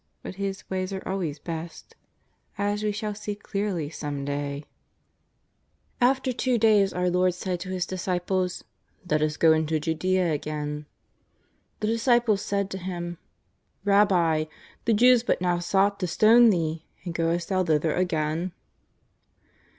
But His ways sse always best, as we shall see clearly some day. 292 JESUS OF NAZARETH. After two days our Lord said to His disciples :" Let us go into Judea again/' The disciples said to Him :^' Rabbi, the Jews but now sought to stone Thee, and goest Thou thither again